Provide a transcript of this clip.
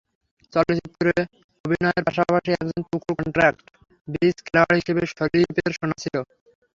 চলচ্চিত্রে অভিনয়ের পাশাপাশি একজন তুখোড় কনট্রাক্ট ব্রিজ খেলোয়াড় হিসেবে শরিফের সুনাম ছিল।